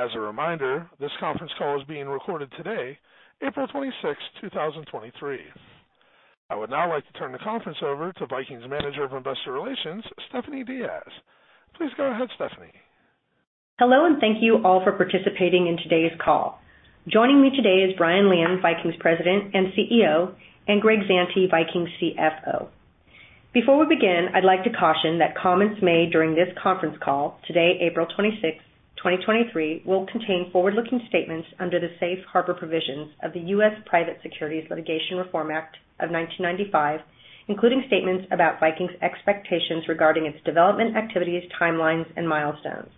As a reminder, this conference call is being recorded today, April 26th, 2023. I would now like to turn the conference over to Viking's Manager of Investor Relations, Stephanie Diaz. Please go ahead, Stephanie. Hello. Thank you all for participating in today's call. Joining me today is Brian Lian, Viking's President and CEO, and Greg Zante, Viking's CFO. Before we begin, I'd like to caution that comments made during this conference call today, April 26th, 2023, will contain forward-looking statements under the Safe Harbor Provisions of the U.S. Private Securities Litigation Reform Act of 1995, including statements about Viking's expectations regarding its development activities, timelines, and milestones.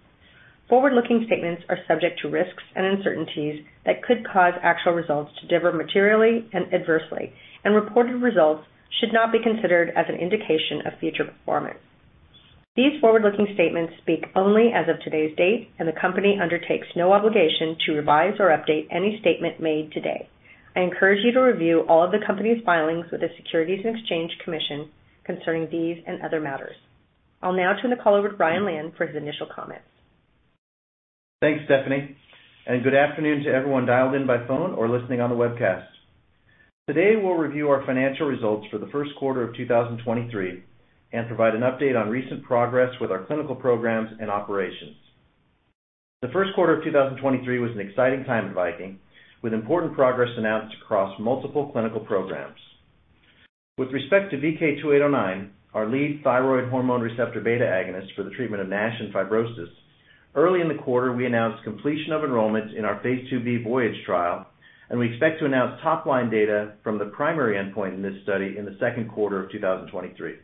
Forward-looking statements are subject to risks and uncertainties that could cause actual results to differ materially and adversely, and reported results should not be considered as an indication of future performance. These forward-looking statements speak only as of today's date, and the company undertakes no obligation to revise or update any statement made today. I encourage you to review all of the company's filings with the Securities and Exchange Commission concerning these and other matters. I'll now turn the call over to Brian Lian for his initial comments. Thanks, Stephanie. Good afternoon to everyone dialed in by phone or listening on the webcast. Today, we'll review our financial results for the first quarter of 2023 and provide an update on recent progress with our clinical programs and operations. The first quarter of 2023 was an exciting time at Viking, with important progress announced across multiple clinical programs. With respect to VK2809, our lead thyroid hormone receptor beta agonist for the treatment of NASH and fibrosis, early in the quarter, we announced completion of enrollment in our phase IIb VOYAGE trial, and we expect to announce top-line data from the primary endpoint in this study in the second quarter of 2023.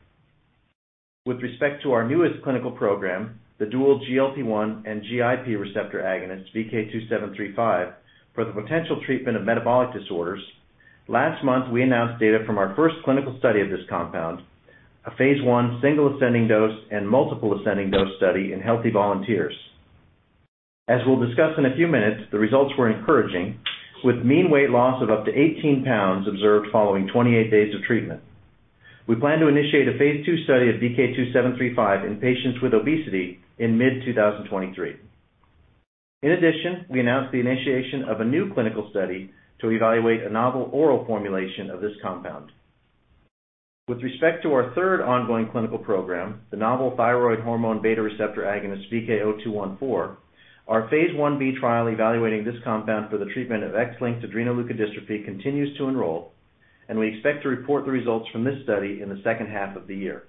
With respect to our newest clinical program, the dual GLP-1 and GIP receptor agonist, VK2735, for the potential treatment of metabolic disorders, last month, we announced data from our first clinical study of this compound, a Phase I single ascending dose and multiple ascending dose study in healthy volunteers. As we'll discuss in a few minutes, the results were encouraging, with mean weight loss of up to 18 pounds observed following 28 days of treatment. We plan to initiate a Phase II study of VK2735 in patients with obesity in mid-2023. In addition, we announced the initiation of a new clinical study to evaluate a novel oral formulation of this compound. With respect to our third ongoing clinical program, the novel thyroid hormone receptor beta agonist, VK0214, our Phase I-B trial evaluating this compound for the treatment of X-linked adrenoleukodystrophy continues to enroll, and we expect to report the results from this study in the second half of the year.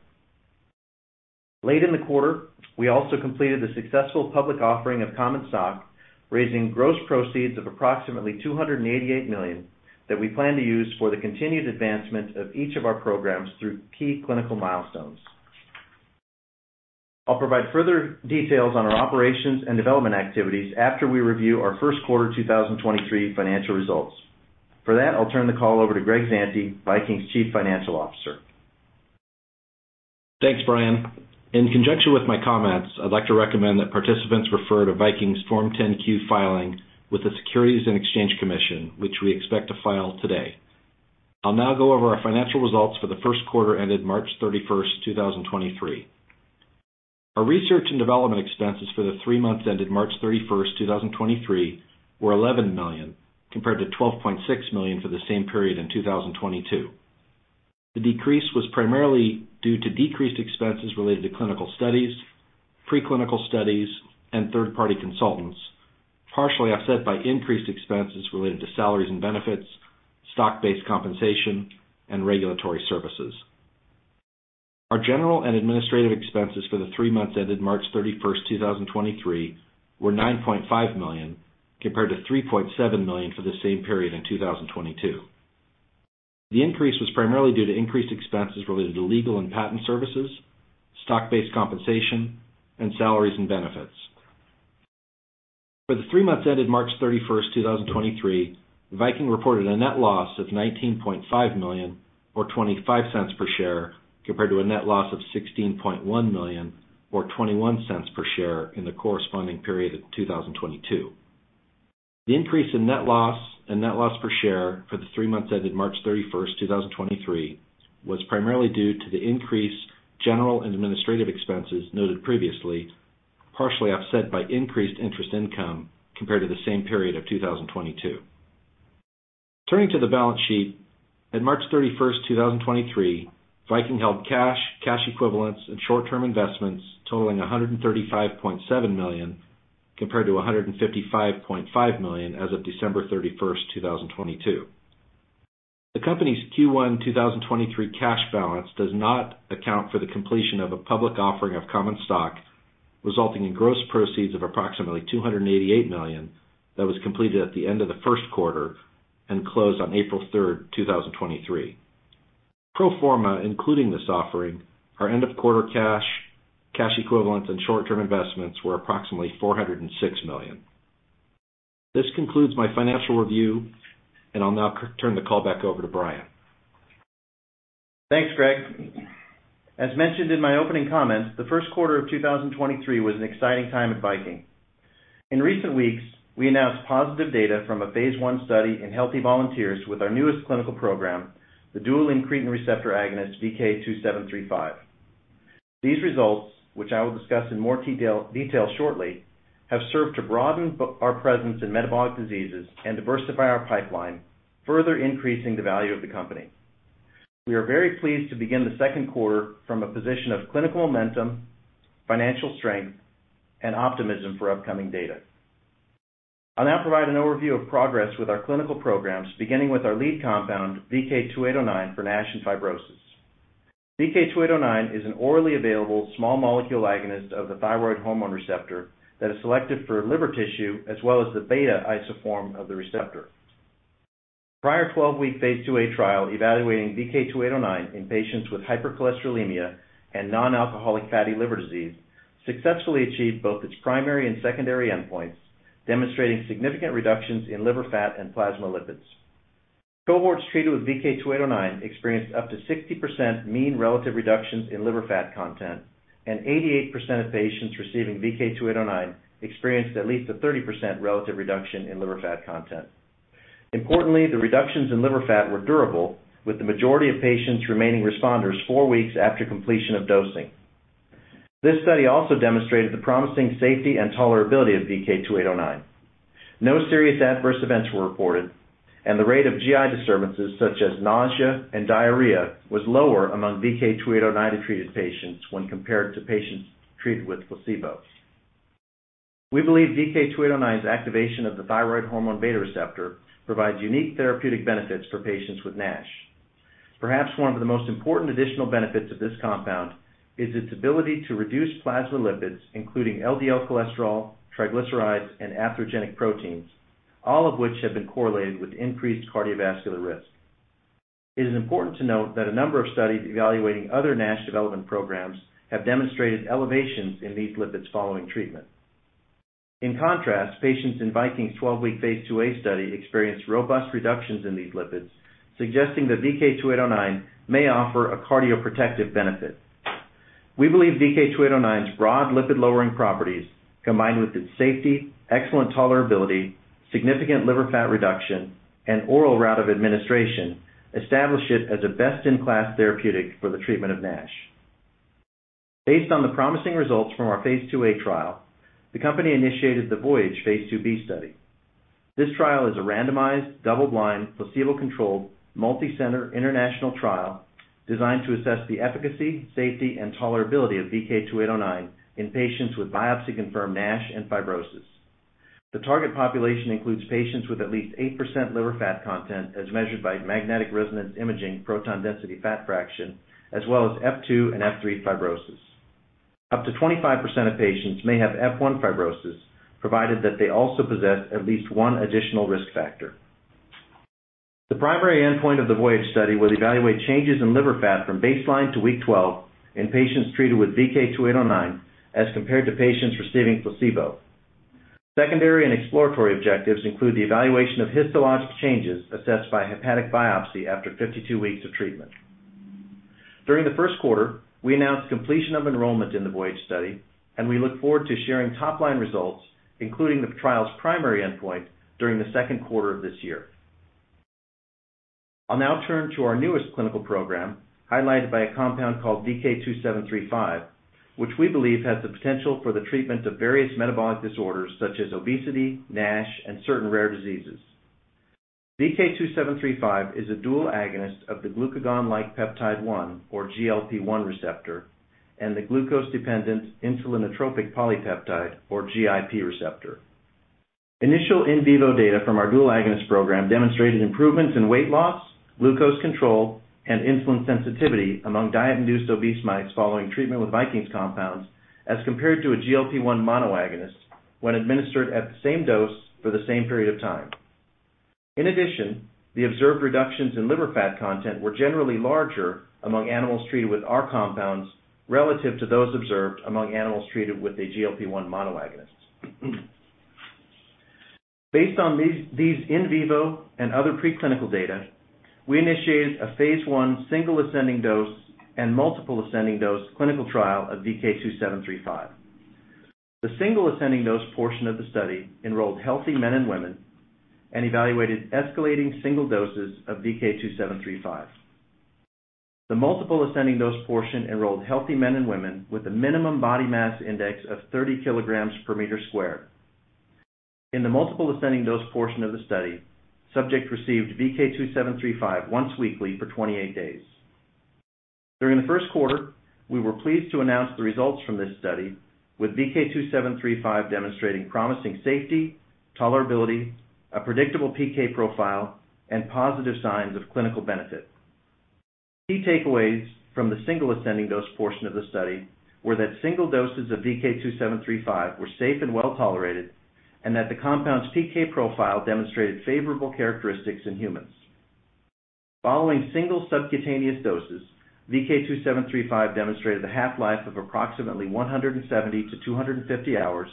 Late in the quarter, we also completed the successful public offering of common stock, raising gross proceeds of approximately $288 million that we plan to use for the continued advancement of each of our programs through key clinical milestones. I'll provide further details on our operations and development activities after we review our first quarter 2023 financial results. For that, I'll turn the call over to Greg Zante, Viking's Chief Financial Officer. Thanks, Brian. In conjunction with my comments, I'd like to recommend that participants refer to Viking's Form 10-Q filing with the Securities and Exchange Commission, which we expect to file today. I'll now go over our financial results for the first quarter ended March 31st, 2023. Our research and development expenses for the three months ended March 31st, 2023, were $11 million, compared to $12.6 million for the same period in 2022. The decrease was primarily due to decreased expenses related to clinical studies, preclinical studies, and third-party consultants, partially offset by increased expenses related to salaries and benefits, stock-based compensation, and regulatory services. Our general and administrative expenses for the three months ended March 31st, 2023, were $9.5 million, compared to $3.7 million for the same period in 2022. The increase was primarily due to increased expenses related to legal and patent services, stock-based compensation, and salaries and benefits. For the three months ended March 31st, 2023, Viking reported a net loss of $19.5 million or $0.25 per share compared to a net loss of $16.1 million or $0.21 per share in the corresponding period of 2022. The increase in net loss and net loss per share for the three months ended March 31st, 2023, was primarily due to the increased general and administrative expenses noted previously, partially offset by increased interest income compared to the same period of 2022. Turning to the balance sheet, at March 31st, 2023, Viking held cash equivalents, and short-term investments totaling $135.7 million, compared to $155.5 million as of December 31st, 2022. The company's Q1 2023 cash balance does not account for the completion of a public offering of common stock, resulting in gross proceeds of approximately $288 million that was completed at the end of the first quarter and closed on April 3rd, 2023. Pro forma, including this offering, our end of quarter cash equivalents, and short-term investments were approximately $406 million. This concludes my financial review, and I'll now turn the call back over to Brian. Thanks, Greg. As mentioned in my opening comments, the first quarter of 2023 was an exciting time at Viking. In recent weeks, we announced positive data from a phase I study in healthy volunteers with our newest clinical program, the dual incretin receptor agonist, VK2735. These results, which I will discuss in more detail shortly, have served to broaden our presence in metabolic diseases and diversify our pipeline, further increasing the value of the company. We are very pleased to begin the second quarter from a position of clinical momentum, financial strength, and optimism for upcoming data. I'll now provide an overview of progress with our clinical programs, beginning with our lead compound, VK2809, for NASH and fibrosis. VK2809 is an orally available small molecule agonist of the thyroid hormone receptor that is selected for liver tissue as well as the beta isoform of the receptor. Prior 12-week phase IIa trial evaluating VK2809 in patients with hypercholesterolemia and non-alcoholic fatty liver disease successfully achieved both its primary and secondary endpoints, demonstrating significant reductions in liver fat and plasma lipids. Cohorts treated with VK2809 experienced up to 60% mean relative reductions in liver fat content, and 88% of patients receiving VK2809 experienced at least a 30% relative reduction in liver fat content. Importantly, the reductions in liver fat were durable, with the majority of patients remaining responders four weeks after completion of dosing. This study also demonstrated the promising safety and tolerability of VK2809. No serious adverse events were reported, and the rate of GI disturbances such as nausea and diarrhea was lower among VK2809-treated patients when compared to patients treated with placebos. We believe VK2809's activation of the thyroid hormone beta receptor provides unique therapeutic benefits for patients with NASH. Perhaps one of the most important additional benefits of this compound is its ability to reduce plasma lipids, including LDL cholesterol, triglycerides, and atherogenic proteins, all of which have been correlated with increased cardiovascular risk. It is important to note that a number of studies evaluating other NASH development programs have demonstrated elevations in these lipids following treatment. In contrast, patients in Viking's 12-week phase IIa study experienced robust reductions in these lipids, suggesting that VK2809 may offer a cardioprotective benefit. We believe VK2809's broad lipid-lowering properties, combined with its safety, excellent tolerability, significant liver fat reduction, and oral route of administration, establish it as a best-in-class therapeutic for the treatment of NASH. Based on the promising results from our phase IIa trial, the company initiated the VOYAGE phase IIb study. This trial is a randomized, double-blind, placebo-controlled, multi-center, international trial designed to assess the efficacy, safety, and tolerability of VK2809 in patients with biopsy-confirmed NASH and fibrosis. The target population includes patients with at least 8% liver fat content as measured by magnetic resonance imaging proton density fat fraction, as well as F2 and F3 fibrosis. Up to 25% of patients may have F1 fibrosis, provided that they also possess at least one additional risk factor. The primary endpoint of the VOYAGE study will evaluate changes in liver fat from baseline to week 12 in patients treated with VK2809 as compared to patients receiving placebo. Secondary and exploratory objectives include the evaluation of histologic changes assessed by hepatic biopsy after 52 weeks of treatment. During the first quarter, we announced completion of enrollment in the VOYAGE study, and we look forward to sharing top-line results, including the trial's primary endpoint, during the second quarter of this year. I'll now turn to our newest clinical program, highlighted by a compound called VK2735, which we believe has the potential for the treatment of various metabolic disorders such as obesity, NASH, and certain rare diseases. VK2735 is a dual agonist of the glucagon-like peptide 1, or GLP-1 receptor, and the glucose-dependent insulinotropic polypeptide, or GIP receptor. Initial in vivo data from our dual agonist program demonstrated improvements in weight loss, glucose control, and insulin sensitivity among diet-induced obese mice following treatment with Viking's compounds as compared to a GLP-1 monoagonist when administered at the same dose for the same period of time. In addition, the observed reductions in liver fat content were generally larger among animals treated with our compounds relative to those observed among animals treated with a GLP-1 monoagonist. Based on these in vivo and other preclinical data, I initiated a Phase I single ascending dose and multiple ascending dose clinical trial of VK2735. The single ascending dose portion of the study enrolled healthy men and women and evaluated escalating single doses of VK2735. The multiple ascending dose portion enrolled healthy men and women with a minimum body mass index of 30 kilograms per meter squared. In the multiple ascending dose portion of the study, subjects received VK2735 once weekly for 28 days. During the first quarter, we were pleased to announce the results from this study, with VK2735 demonstrating promising safety, tolerability, a predictable PK profile, and positive signs of clinical benefit. Key takeaways from the single ascending dose portion of the study were that single doses of VK2735 were safe and well-tolerated and that the compound's PK profile demonstrated favorable characteristics in humans. Following single subcutaneous doses, VK2735 demonstrated a half-life of approximately 170 to 250 hours,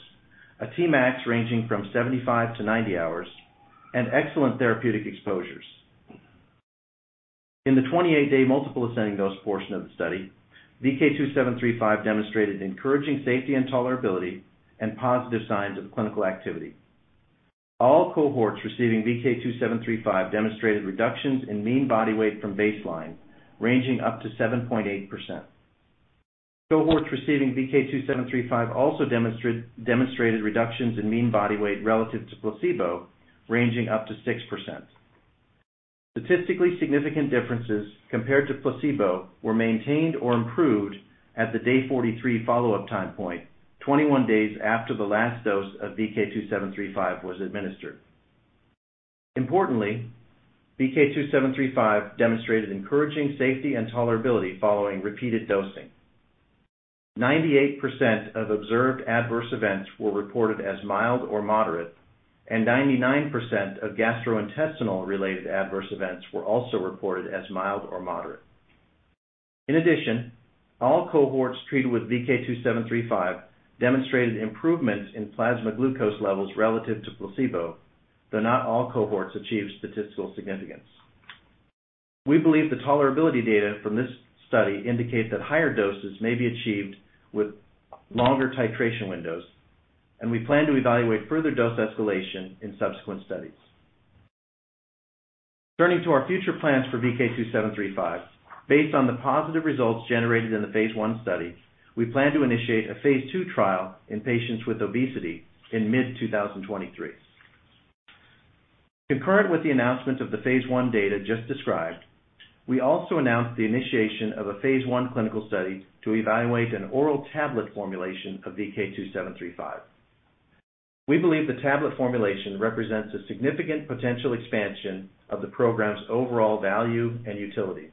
a Tmax ranging from 75 to 90 hours, and excellent therapeutic exposures. In the 28-day multiple ascending dose portion of the study, VK2735 demonstrated encouraging safety and tolerability and positive signs of clinical activity. All cohorts receiving VK2735 demonstrated reductions in mean body weight from baseline ranging up to 7.8%. Cohorts receiving VK2735 also demonstrated reductions in mean body weight relative to placebo, ranging up to 6%. Statistically significant differences compared to placebo were maintained or improved at the day 43 follow-up time point, 21 days after the last dose of VK2735 was administered. Importantly, VK2735 demonstrated encouraging safety and tolerability following repeated dosing. 98% of observed adverse events were reported as mild or moderate. 99% of gastrointestinal-related adverse events were also reported as mild or moderate. In addition, all cohorts treated with VK2735 demonstrated improvements in plasma glucose levels relative to placebo, though not all cohorts achieved statistical significance. We believe the tolerability data from this study indicate that higher doses may be achieved with longer titration windows, and we plan to evaluate further dose escalation in subsequent studies. Turning to our future plans for VK2735, based on the positive results generated in the phase I study, we plan to initiate a phase II trial in patients with obesity in mid-2023. Concurrent with the announcement of the phase I data just described, we also announced the initiation of a phase I clinical study to evaluate an oral tablet formulation of VK2735. We believe the tablet formulation represents a significant potential expansion of the program's overall value and utility.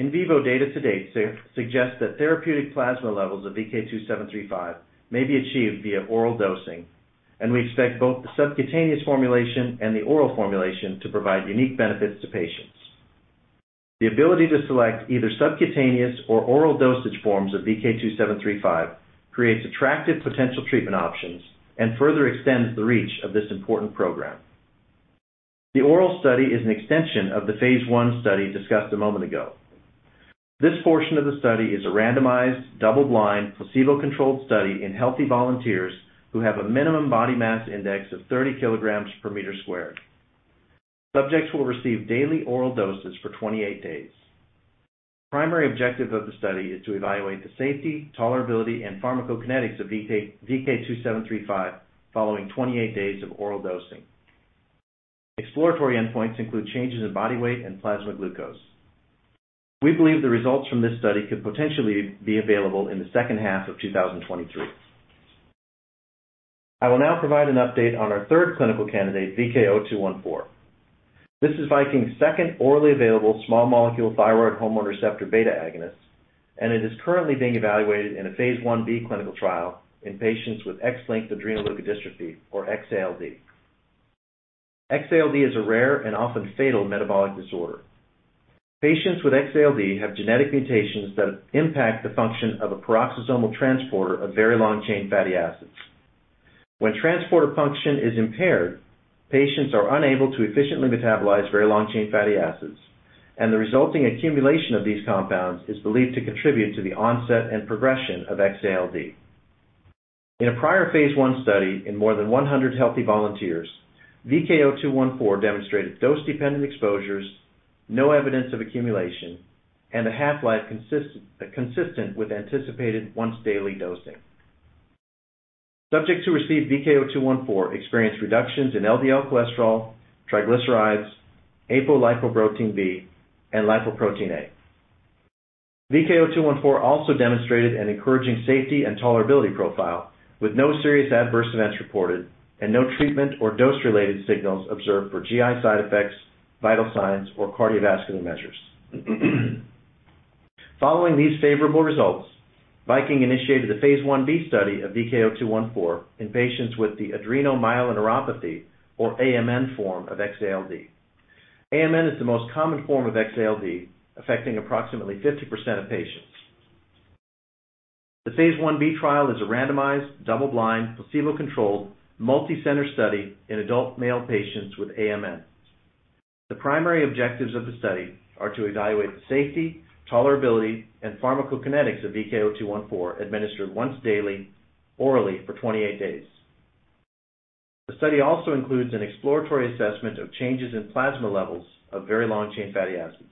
In vivo data to date suggest that therapeutic plasma levels of VK2735 may be achieved via oral dosing, and we expect both the subcutaneous formulation and the oral formulation to provide unique benefits to patients. The ability to select either subcutaneous or oral dosage forms of VK2735 creates attractive potential treatment options and further extends the reach of this important program. The oral study is an extension of the phase I study discussed a moment ago. This portion of the study is a randomized, double-blind, placebo-controlled study in healthy volunteers who have a minimum body mass index of 30 kilograms per meter squared. Subjects will receive daily oral doses for 28 days. The primary objective of the study is to evaluate the safety, tolerability, and pharmacokinetics of VK2735 following 28 days of oral dosing. Exploratory endpoints include changes in body weight and plasma glucose. We believe the results from this study could potentially be available in the second half of 2023. I will now provide an update on our third clinical candidate, VK0214. This is Viking's second orally available small molecule thyroid hormone receptor beta agonist. It is currently being evaluated in a phase I-B clinical trial in patients with X-linked adrenoleukodystrophy or XALD. XALD is a rare and often fatal metabolic disorder. Patients with XALD have genetic mutations that impact the function of a peroxisomal transporter of very long-chain fatty acids. When transporter function is impaired, patients are unable to efficiently metabolize very long-chain fatty acids. The resulting accumulation of these compounds is believed to contribute to the onset and progression of XALD. In a prior phase I study in more than 100 healthy volunteers, VK0214 demonstrated dose-dependent exposures, no evidence of accumulation, and a half-life consistent with anticipated once-daily dosing. Subjects who received VK0214 experienced reductions in LDL cholesterol, triglycerides, apolipoprotein B, and lipoprotein(a). VK0214 also demonstrated an encouraging safety and tolerability profile, with no serious adverse events reported and no treatment or dose-related signals observed for GI side effects, vital signs, or cardiovascular measures. Following these favorable results, Viking initiated a phase I-B study of VK0214 in patients with the adrenomyeloneuropathy, or AMN form of XALD. AMN is the most common form of XALD, affecting approximately 50% of patients. The phase I-B trial is a randomized, double-blind, placebo-controlled, multi-center study in adult male patients with AMN. The primary objectives of the study are to evaluate the safety, tolerability, and pharmacokinetics of VK0214 administered once daily orally for 28 days. The study also includes an exploratory assessment of changes in plasma levels of very long-chain fatty acids.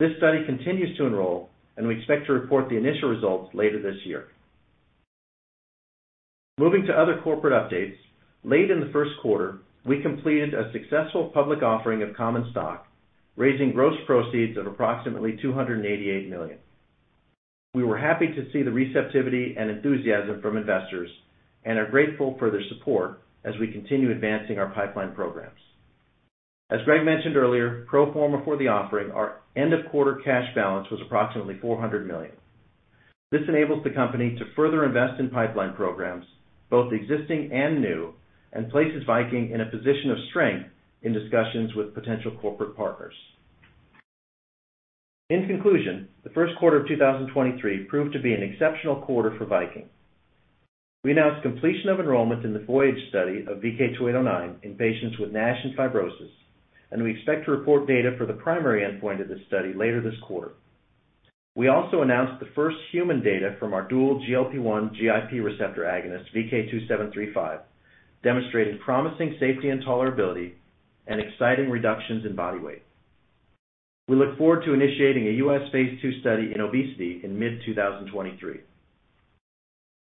This study continues to enroll, and we expect to report the initial results later this year. Moving to other corporate updates, late in the first quarter, we completed a successful public offering of common stock, raising gross proceeds of approximately $288 million. We were happy to see the receptivity and enthusiasm from investors and are grateful for their support as we continue advancing our pipeline programs. As Greg mentioned earlier, pro forma for the offering, our end-of-quarter cash balance was approximately $400 million. This enables the company to further invest in pipeline programs, both existing and new, and places Viking in a position of strength in discussions with potential corporate partners. In conclusion, the first quarter of 2023 proved to be an exceptional quarter for Viking. We announced completion of enrollment in the VOYAGE study of VK2809 in patients with NASH and fibrosis, and we expect to report data for the primary endpoint of this study later this quarter. We also announced the first human data from our dual GLP-1 GIP receptor agonist, VK2735, demonstrating promising safety and tolerability and exciting reductions in body weight. We look forward to initiating a U.S. phase II study in obesity in mid 2023.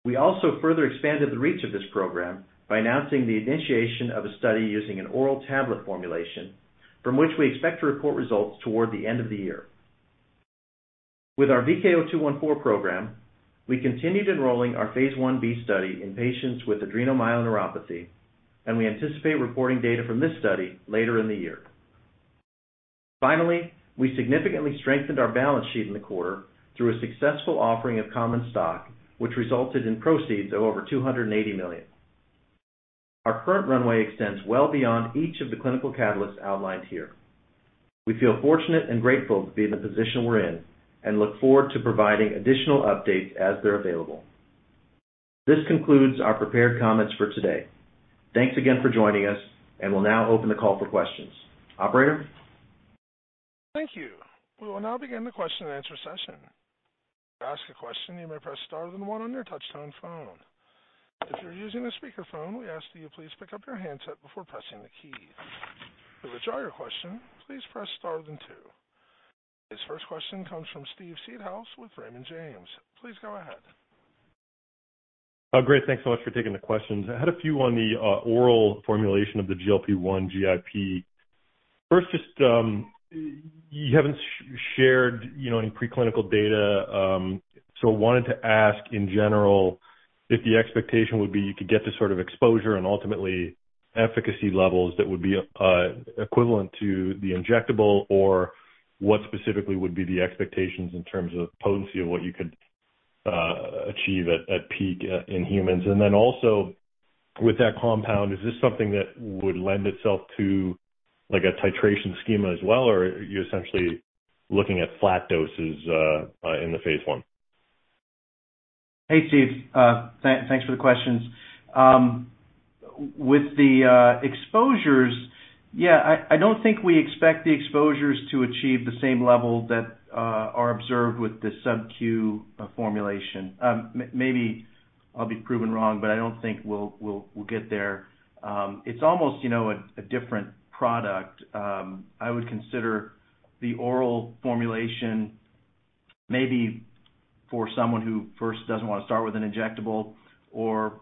We also further expanded the reach of this program by announcing the initiation of a study using an oral tablet formulation from which we expect to report results toward the end of the year. With our VK0214 program, we continued enrolling our phase I-B study in patients with adrenomyeloneuropathy, and we anticipate reporting data from this study later in the year. Finally, we significantly strengthened our balance sheet in the quarter through a successful offering of common stock, which resulted in proceeds of over $280 million. Our current runway extends well beyond each of the clinical catalysts outlined here. We feel fortunate and grateful to be in the position we're in and look forward to providing additional updates as they're available. This concludes our prepared comments for today. Thanks again for joining us, and we'll now open the call for questions. Operator? Thank you. We will now begin the question and answer session. To ask a question, you may press star then one on your touchtone phone. If you are using a speakerphone, we ask that you please pick up your handset before pressing the key. To withdraw your question, please press star then two. This first question comes from Steven Seedhouse with Raymond James. Please go ahead. Great. Thanks so much for taking the questions. I had a few on the oral formulation of the GLP-1 GIP. First, you haven't shared any preclinical data, so I wanted to ask in general, if the expectation would be you could get to sort of exposure and ultimately efficacy levels that would be equivalent to the injectable, or what specifically would be the expectations in terms of potency of what you could achieve at peak in humans? And then also with that compound, is this something that would lend itself to a titration schema as well, or are you essentially looking at flat doses in the phase I? Hey, Steve. Thanks for the questions. With the exposures, yeah, I don't think we expect the exposures to achieve the same level that are observed with the subq formulation. Maybe I'll be proven wrong, but I don't think we'll get there. It's almost a different product. I would consider the oral formulation maybe for someone who first doesn't want to start with an injectable, or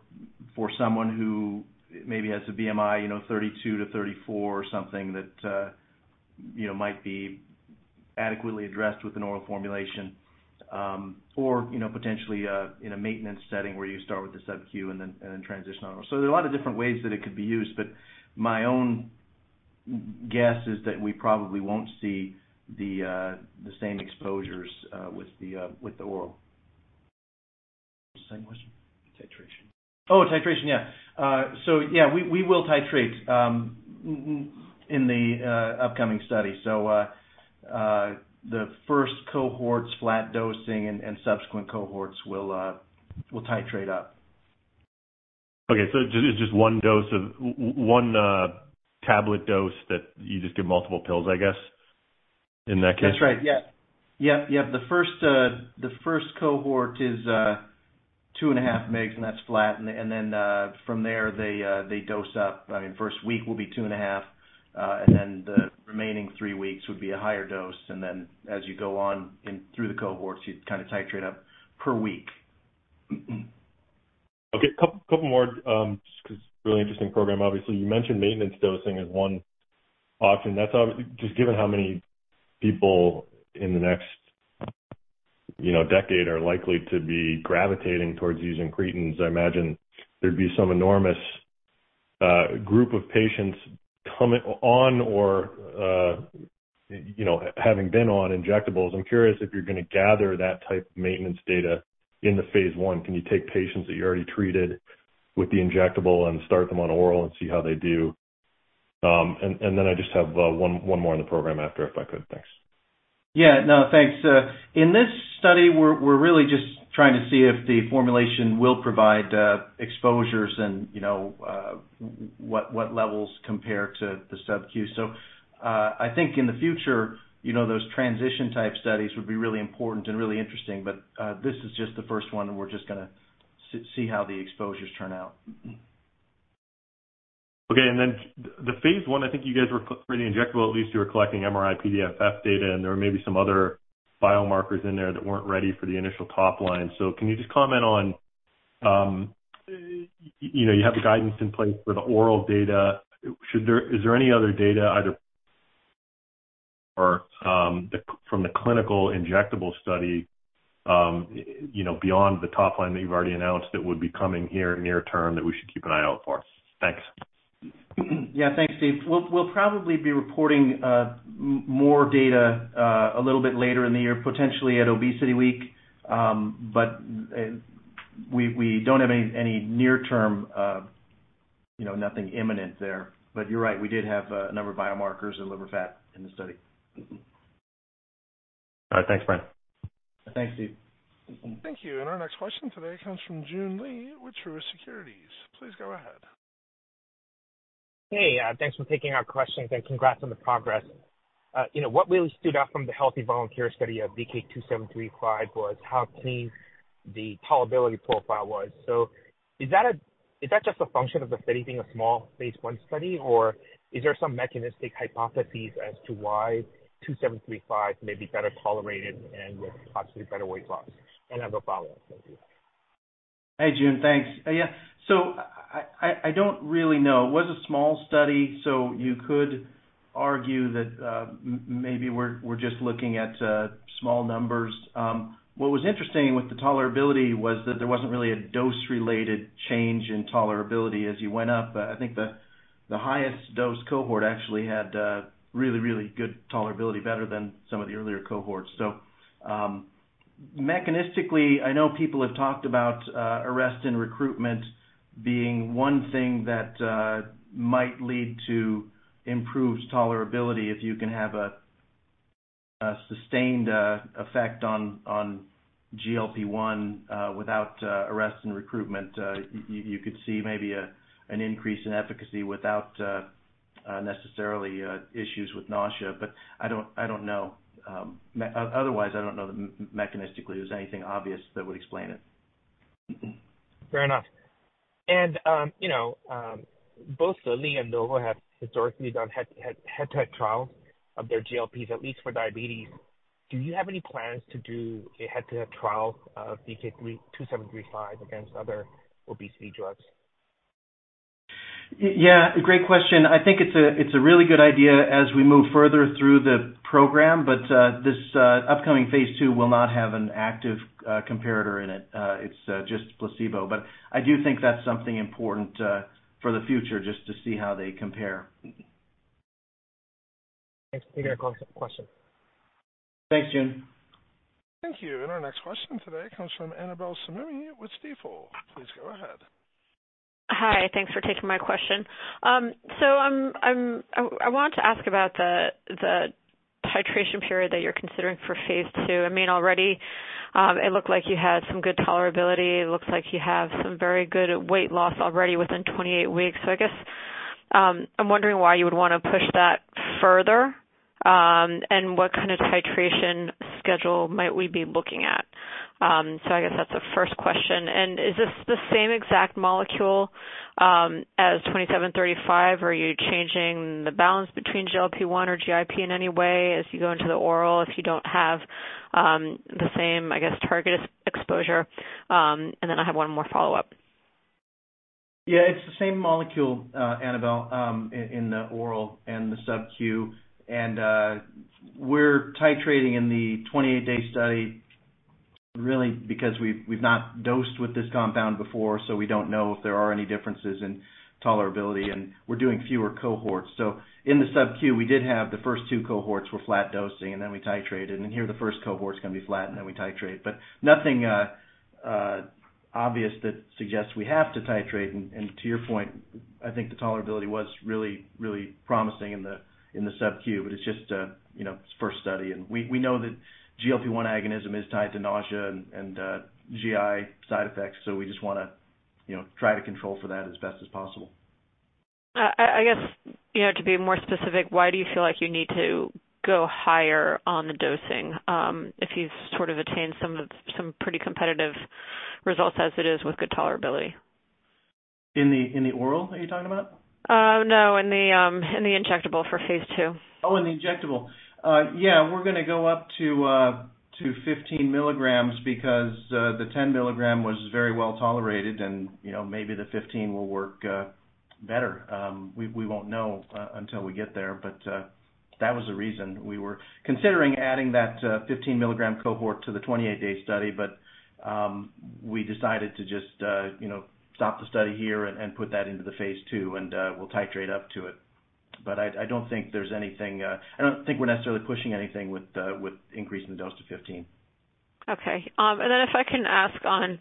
for someone who maybe has a BMI 32 to 34 or something that might be adequately addressed with an oral formulation. Or potentially in a maintenance setting where you start with the subq and then transition oral. There are a lot of different ways that it could be used, but my own guess is that we probably won't see the same exposures with the oral. Same question? Titration. Oh, titration. Yeah. Yeah, we will titrate in the upcoming study. The first cohort's flat dosing and subsequent cohorts will titrate up. Okay, it's just one tablet dose that you just give multiple pills, I guess, in that case? That's right. Yeah. The first cohort is two and a half mg, and that's flat. From there, they dose up. First week will be two and a half, and then the remaining three weeks would be a higher dose. As you go on in through the cohorts, you titrate up per week. Okay. Couple more, just because really interesting program, obviously. You mentioned maintenance dosing as one option. Just given how many people in the next decade are likely to be gravitating towards incretins, I imagine there'd be some enormous group of patients coming on or having been on injectables. I'm curious if you're going to gather that type of maintenance data in the phase I. Can you take patients that you already treated with the injectable and start them on oral and see how they do? I just have one more on the program after, if I could. Thanks. Yeah. No, thanks. In this study, we're really just trying to see if the formulation will provide exposures and what levels compare to the subq. I think in the future, those transition type studies would be really important and really interesting. This is just the first one, and we're just going to see how the exposures turn out. Okay. The phase I think you guys were pretty injectable. At least you were collecting MRI-PDFF data, and there were maybe some other biomarkers in there that weren't ready for the initial top line. Can you just comment on, you have the guidance in place for the oral data. Is there any other data, either or from the clinical injectable study, beyond the top line that you've already announced that would be coming here near term that we should keep an eye out for? Thanks. Yeah. Thanks, Steve. We'll probably be reporting more data a little bit later in the year, potentially at ObesityWeek. We don't have any near term, nothing imminent there. You're right, we did have a number of biomarkers and liver fat in the study. All right. Thanks, Brian. Thanks, Steve. Thank you. Our next question today comes from Joon Lee with Truist Securities. Please go ahead. Hey, thanks for taking our questions and congrats on the progress. What really stood out from the healthy volunteer study of VK2735 was how clean the tolerability profile was. Is that just a function of the study being a small phase I study, or are there some mechanistic hypotheses as to why VK2735 may be better tolerated and with possibly better weight loss? I have a follow-up. Thank you. Hey, Jun. Thanks. Yeah. I don't really know. It was a small study, you could argue that maybe we're just looking at small numbers. What was interesting with the tolerability was that there wasn't really a dose-related change in tolerability as you went up. I think the highest dose cohort actually had really good tolerability, better than some of the earlier cohorts. Mechanistically, I know people have talked about arrestin recruitment being one thing that might lead to improved tolerability. If you can have a sustained effect on GLP-1 without arrestin recruitment, you could see maybe an increase in efficacy without necessarily issues with nausea. I don't know. Otherwise, I don't know that mechanistically there's anything obvious that would explain it. Fair enough. Both Lilly and Novo have historically done head-to-head trials of their GLPs, at least for diabetes. Do you have any plans to do a head-to-head trial of VK2735 against other obesity drugs? Yeah. Great question. I think it's a really good idea as we move further through the program. This upcoming phase II will not have an active comparator in it. It's just placebo. I do think that's something important for the future, just to see how they compare. Thanks. I think our call has a question. Thanks, Jun. Thank you. Our next question today comes from Annabel Samimy with Stifel. Please go ahead. Hi. Thanks for taking my question. I want to ask about the titration period that you're considering for phase II. Already, it looked like you had some good tolerability. It looks like you have some very good weight loss already within 28 weeks. I guess, I'm wondering why you would want to push that further, and what kind of titration schedule might we be looking at? I guess that's the first question. Is this the same exact molecule, as 2735? Are you changing the balance between GLP-1 or GIP in any way as you go into the oral, if you don't have the same, I guess, target exposure? I have one more follow-up. Yeah, it's the same molecule, Annabel, in the oral and the sub Q. We're titrating in the 28-day study, really because we've not dosed with this compound before, so we don't know if there are any differences in tolerability, and we're doing fewer cohorts. In the sub Q, we did have the first two cohorts were flat dosing, then we titrated, and here the first cohort's going to be flat, then we titrate. Nothing obvious that suggests we have to titrate. To your point, I think the tolerability was really promising in the sub Q, but it's just its first study. We know that GLP-1 agonism is tied to nausea and GI side effects, so we just want to try to control for that as best as possible. I guess, to be more specific, why do you feel like you need to go higher on the dosing if you've sort of attained some pretty competitive results as it is with good tolerability? In the oral, are you talking about? No, in the injectable for phase II. In the injectable. We're going to go up to 15 milligrams because the 10 milligrams was very well tolerated, and maybe the 15 will work better. We won't know until we get there. That was the reason. We were considering adding that 15-milligram cohort to the 28-day study, we decided to just stop the study here and put that into the phase II, and we'll titrate up to it. I don't think we're necessarily pushing anything with increasing the dose to 15. Okay. If I can ask on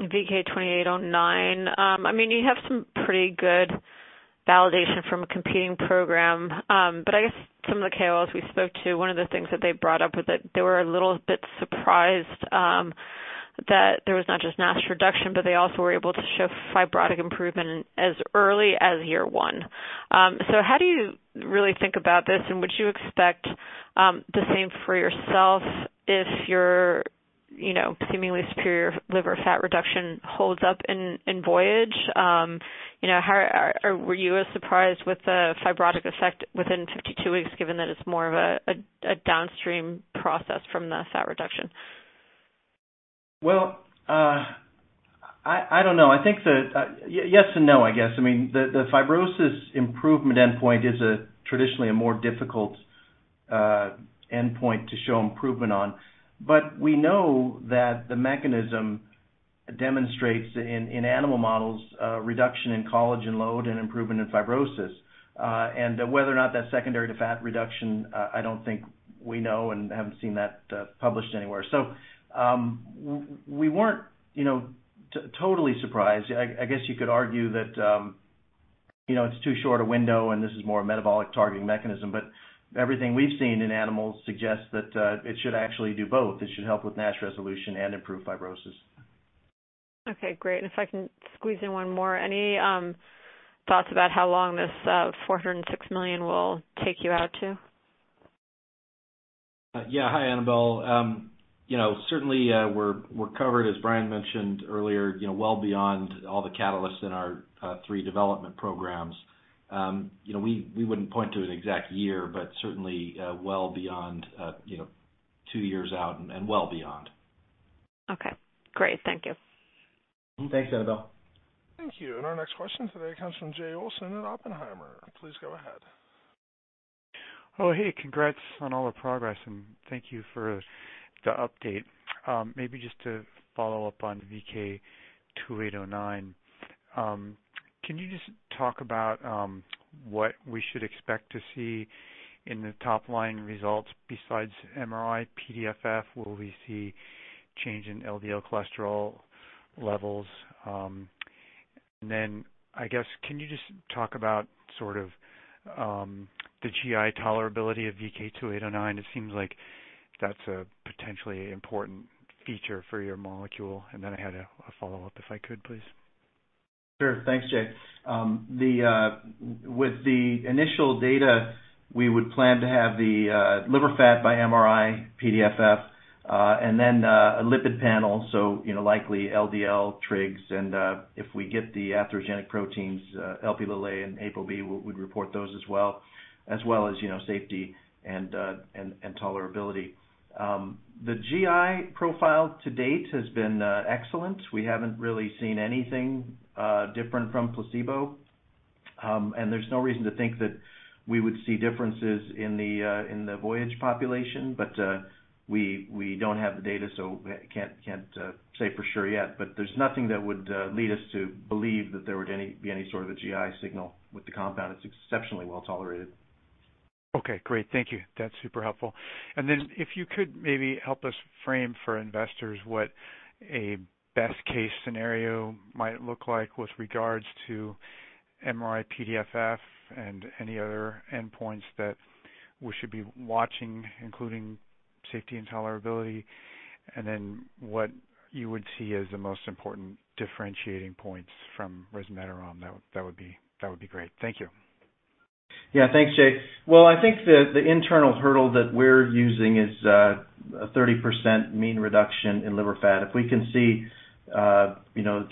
VK2809. You have some pretty good validation from a competing program. I guess some of the KOLs we spoke to, one of the things that they brought up was that they were a little bit surprised that there was not just NASH reduction, but they also were able to show fibrotic improvement as early as year one. How do you really think about this, and would you expect the same for yourself if your seemingly superior liver fat reduction holds up in VOYAGE? Were you as surprised with the fibrotic effect within 52 weeks, given that it's more of a downstream process from the fat reduction? Well, I don't know. Yes and no, I guess. The fibrosis improvement endpoint is traditionally a more difficult endpoint to show improvement on. We know that the mechanism demonstrates in animal models, a reduction in collagen load and improvement in fibrosis. Whether or not that's secondary to fat reduction, I don't think we know and haven't seen that published anywhere. We weren't totally surprised. I guess you could argue that it's too short a window and this is more a metabolic targeting mechanism, but everything we've seen in animals suggests that it should actually do both. It should help with NASH resolution and improve fibrosis. Okay, great. If I can squeeze in one more, any thoughts about how long this $406 million will take you out to? Yeah. Hi, Annabel. Certainly, we're covered, as Brian mentioned earlier, well beyond all the catalysts in our three development programs. We wouldn't point to an exact year, but certainly, well beyond two years out, and well beyond. Okay, great. Thank you. Thanks, Annabel. Thank you. Our next question today comes from Jay Olson at Oppenheimer. Please go ahead. Oh, hey. Congrats on all the progress. Thank you for the update. Maybe just to follow up on VK2809. Can you just talk about what we should expect to see in the top-line results besides MRI-PDFF? Will we see change in LDL cholesterol levels? I guess, can you just talk about sort of the GI tolerability of VK2809? It seems like that's a potentially important feature for your molecule. I had a follow-up if I could, please. Sure. Thanks, Jay. With the initial data, we would plan to have the liver fat by MRI-PDFF, and then a lipid panel, so likely LDL, trigs, and if we get the atherogenic proteins, Lp(a) and ApoB, we'd report those as well, as well as safety and tolerability. The GI profile to date has been excellent. We haven't really seen anything different from placebo. There's no reason to think that we would see differences in the VOYAGE population. We don't have the data, so can't say for sure yet. There's nothing that would lead us to believe that there would be any sort of a GI signal with the compound. It's exceptionally well-tolerated. Okay, great. Thank you. That's super helpful. If you could maybe help us frame for investors what a best case scenario might look like with regards to MRI-PDFF, and any other endpoints that we should be watching, including safety and tolerability. What you would see as the most important differentiating points from resmetirom. That would be great. Thank you. Yeah. Thanks, Jay. Well, I think the internal hurdle that we're using is a 30% mean reduction in liver fat. If we can see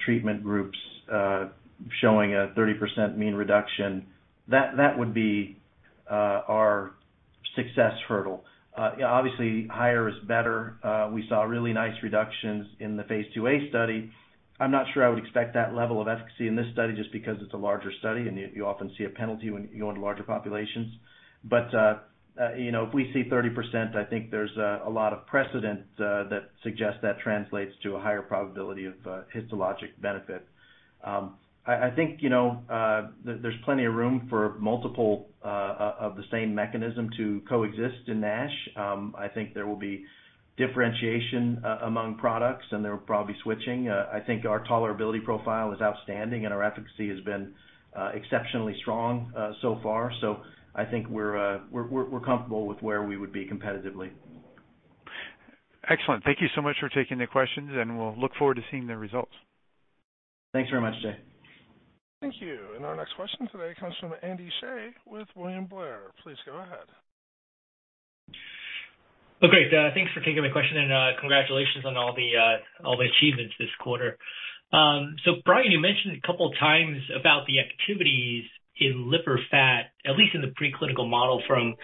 treatment groups showing a 30% mean reduction, that would be our success hurdle. Obviously, higher is better. We saw really nice reductions in the phase IIa study. I'm not sure I would expect that level of efficacy in this study just because it's a larger study, and you often see a penalty when you go into larger populations. If we see 30%, I think there's a lot of precedent that suggests that translates to a higher probability of histologic benefit. I think there's plenty of room for multiple of the same mechanism to coexist in NASH. I think there will be differentiation among products, and they'll probably switching. I think our tolerability profile is outstanding and our efficacy has been exceptionally strong so far. I think we're comfortable with where we would be competitively. Excellent. Thank you so much for taking the questions, and we'll look forward to seeing the results. Thanks very much, Jay. Thank you. Our next question today comes from Andy Hsieh with William Blair. Please go ahead. Thanks for taking my question and congratulations on all the achievements this quarter. Brian, you mentioned a couple times about the activities in liver fat, at least in the preclinical model from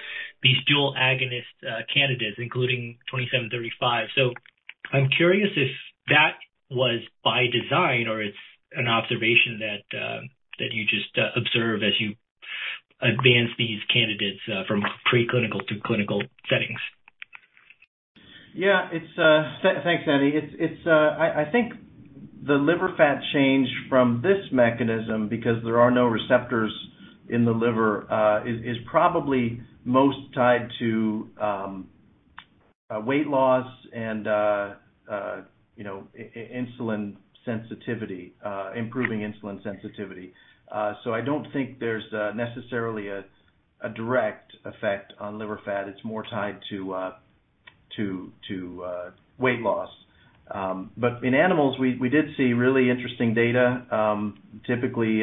these dual agonist candidates, including VK2735. I'm curious if that was by design or it's an observation that you just observe as you advance these candidates from preclinical to clinical settings. Yeah. Thanks, Andy. I think the liver fat change from this mechanism, because there are no receptors in the liver, is probably most tied to weight loss and improving insulin sensitivity. I don't think there's necessarily a direct effect on liver fat. It's more tied to weight loss. In animals, we did see really interesting data. Typically,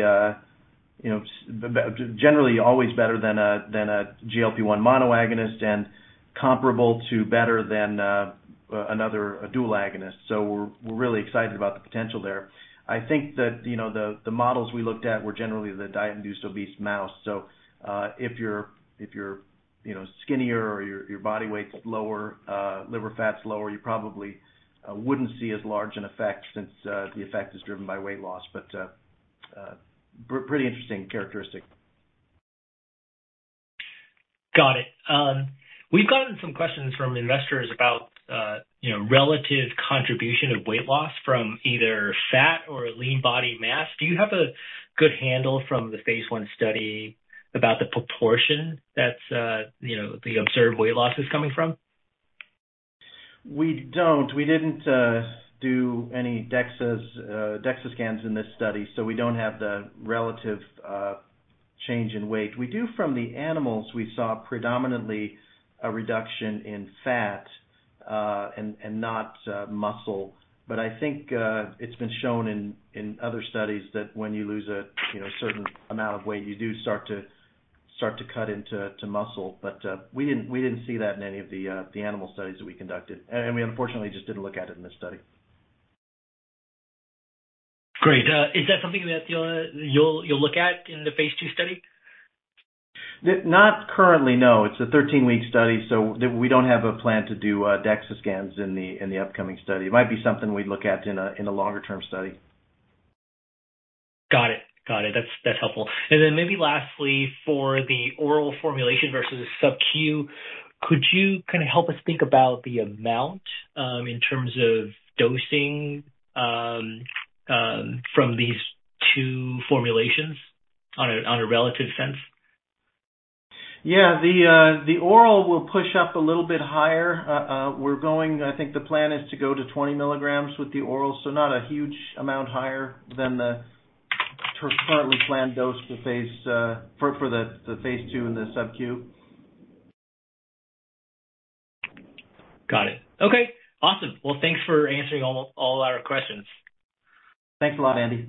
generally, always better than a GLP-1 monoagonist and comparable to better than another dual agonist. We're really excited about the potential there. I think that the models we looked at were generally the diet-induced obese mouse. If you're skinnier or your body weight's lower, liver fat's lower, you probably wouldn't see as large an effect since the effect is driven by weight loss. Pretty interesting characteristic. Got it. We've gotten some questions from investors about relative contribution of weight loss from either fat or lean body mass. Do you have a good handle from the phase I study about the proportion that the observed weight loss is coming from? We don't. We didn't do any DEXA scans in this study, so we don't have the relative change in weight. We do from the animals, we saw predominantly a reduction in fat and not muscle. I think it's been shown in other studies that when you lose a certain amount of weight, you do start to cut into muscle. We didn't see that in any of the animal studies that we conducted. We unfortunately just didn't look at it in this study. Great. Is that something that you'll look at in the phase II study? Not currently, no. It's a 13-week study, we don't have a plan to do DEXA scans in the upcoming study. It might be something we'd look at in a longer-term study. Got it. That's helpful. Maybe lastly, for the oral formulation versus subQ, could you help us think about the amount in terms of dosing from these two formulations on a relative sense? Yeah. The oral will push up a little bit higher. I think the plan is to go to 20 milligrams with the oral, not a huge amount higher than the currently planned dose for the phase II and the subQ. Got it. Okay. Awesome. Thanks for answering all our questions. Thanks a lot, Andy.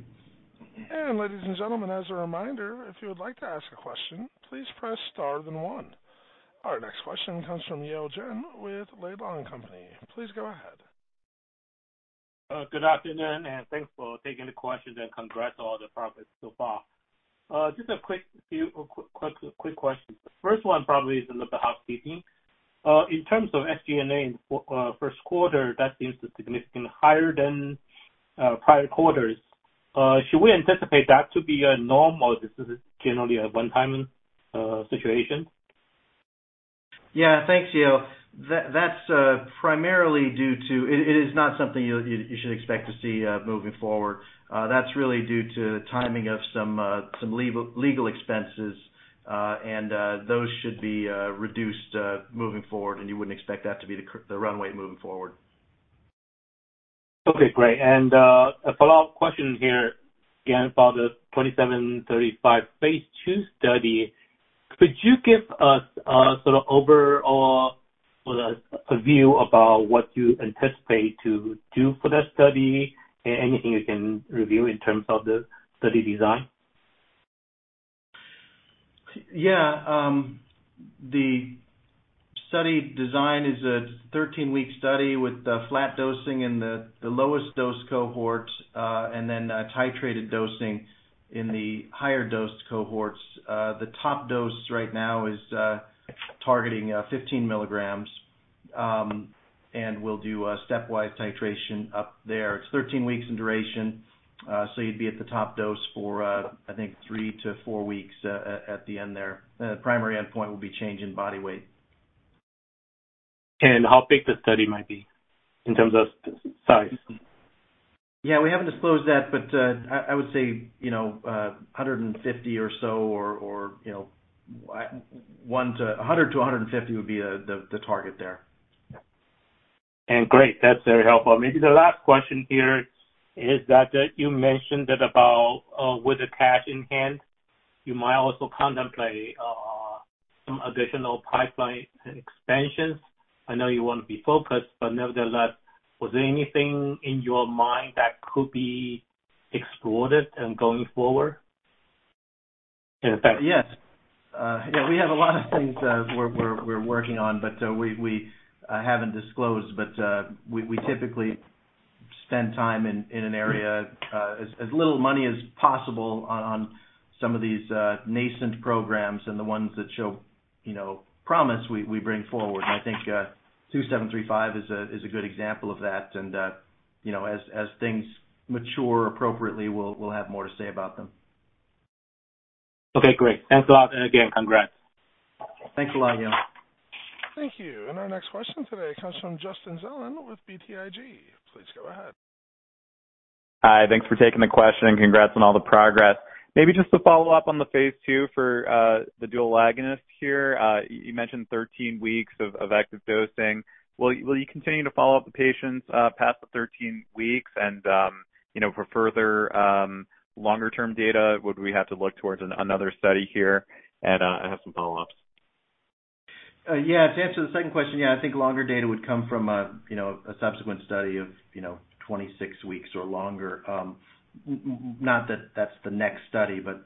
Ladies and gentlemen, as a reminder, if you would like to ask a question, please press star then one. Our next question comes from Yeo Jen with Labang Company. Please go ahead. Good afternoon, thanks for taking the questions and congrats on all the progress so far. Just a few quick questions. The first one probably is on the housekeeping. In terms of SG&A in first quarter, that seems significantly higher than prior quarters. Should we anticipate that to be a normal, this is generally a one-time situation? Yeah. Thanks, Yeo. It's not something you should expect to see moving forward. That's really due to timing of some legal expenses. Those should be reduced moving forward, and you wouldn't expect that to be the runway moving forward. Okay, great. A follow-up question here, again, about the VK2735 phase II study. Could you give us a sort of overall view about what you anticipate to do for that study? Anything you can review in terms of the study design? Yeah. The study design is a 13-week study with flat dosing in the lowest dose cohort. Then titrated dosing in the higher dose cohorts. The top dose right now is targeting 15 milligrams. We'll do a stepwise titration up there. It's 13 weeks in duration, so you'd be at the top dose for, I think, three to four weeks at the end there. The primary endpoint will be change in body weight. How big the study might be in terms of size? Yeah, we haven't disclosed that, but I would say 150 or so, or 100-150 would be the target there. Great. That's very helpful. Maybe the last question here is that you mentioned that about with the cash in hand, you might also contemplate some additional pipeline expansions. I know you want to be focused, but nevertheless, was there anything in your mind that could be explored going forward? Yes. We have a lot of things we're working on, but we haven't disclosed. We typically spend time in an area, as little money as possible on some of these nascent programs and the ones that show promise, we bring forward. I think VK2735 is a good example of that. As things mature appropriately, we'll have more to say about them. Okay, great. Thanks a lot, and again, congrats. Thanks a lot, Yeo. Thank you. Our next question today comes from Justin Zelin with BTIG. Please go ahead. Hi. Thanks for taking the question and congrats on all the progress. Maybe just to follow up on the phase II for the dual agonist here. You mentioned 13 weeks of active dosing. Will you continue to follow up the patients past the 13 weeks and for further longer-term data? Would we have to look towards another study here? I have some follow-ups. Yeah. To answer the second question, yeah, I think longer data would come from a subsequent study of 26 weeks or longer. Not that that's the next study, but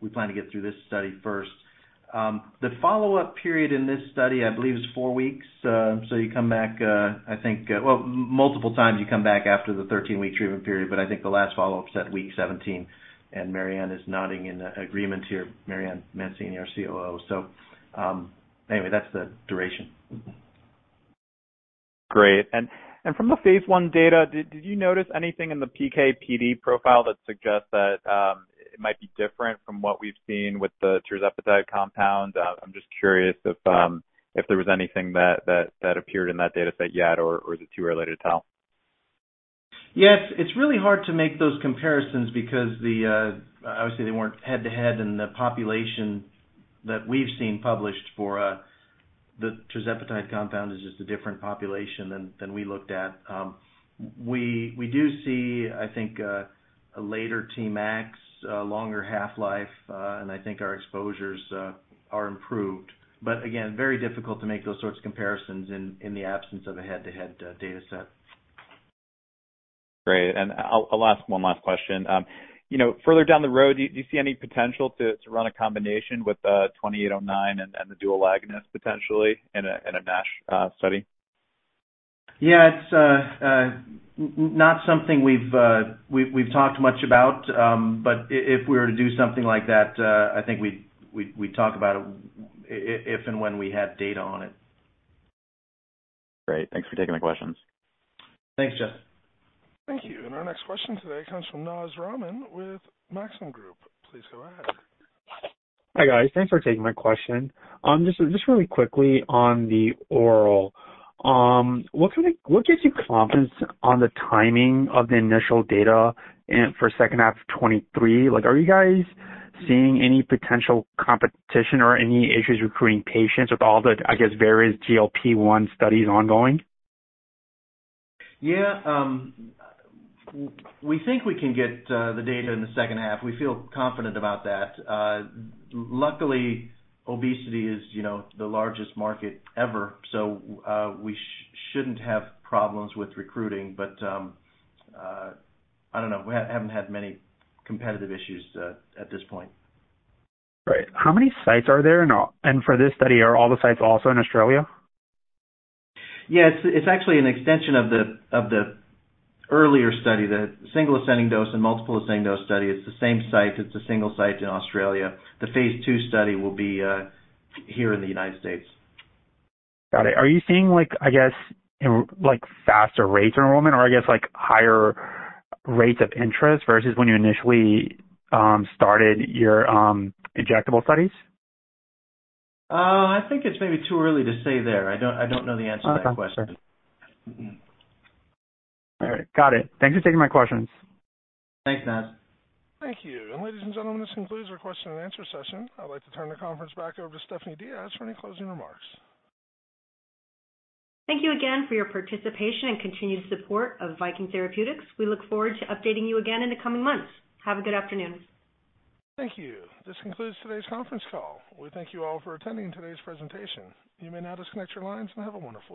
we plan to get through this study first. The follow-up period in this study, I believe, is four weeks. You come back, I think, well, multiple times you come back after the 13-week treatment period, but I think the last follow-up's at week 17, and Marianne is nodding in agreement here. Marianne Mancini, our COO. Anyway, that's the duration. From the phase I data, did you notice anything in the PK/PD profile that suggests that it might be different from what we've seen with the tirzepatide compound? I'm just curious if there was anything that appeared in that data set yet, or is it too early to tell? Yeah. It's really hard to make those comparisons because obviously they weren't head-to-head in the population that we've seen published for the tirzepatide compound is just a different population than we looked at. We do see, I think, a later Tmax, a longer half-life, and I think our exposures are improved. Again, very difficult to make those sorts of comparisons in the absence of a head-to-head data set. Great. I'll ask one last question. Further down the road, do you see any potential to run a combination with 2809 and the dual agonist, potentially, in a NASH study? Yeah. It's not something we've talked much about. If we were to do something like that, I think we'd talk about it, if and when we have data on it. Great. Thanks for taking the questions. Thanks, Jeff. Thank you. Our next question today comes from Naz with Maxim Group. Please go ahead. Hi, guys. Thanks for taking my question. Just really quickly on the oral. What gives you confidence on the timing of the initial data for second half 2023? Are you guys seeing any potential competition or any issues recruiting patients with all the, I guess, various GLP-1 studies ongoing? We think we can get the data in the second half. We feel confident about that. Luckily, obesity is the largest market ever, we shouldn't have problems with recruiting. I don't know. We haven't had many competitive issues at this point. Great. How many sites are there in all? For this study, are all the sites also in Australia? It's actually an extension of the earlier study, the single ascending dose and multiple ascending dose study. It's the same site. It's a single site in Australia. The phase II study will be here in the U.S. Got it. Are you seeing, I guess, faster rates in enrollment or, I guess, higher rates of interest versus when you initially started your injectable studies? I think it's maybe too early to say there. I don't know the answer to that question. Okay. Sure. All right. Got it. Thank you for taking my questions. Thanks, Naz. Thank you. Ladies and gentlemen, this concludes our question and answer session. I'd like to turn the conference back over to Stephanie Diaz for any closing remarks. Thank you again for your participation and continued support of Viking Therapeutics. We look forward to updating you again in the coming months. Have a good afternoon. Thank you. This concludes today's conference call. We thank you all for attending today's presentation. You may now disconnect your lines and have a wonderful day.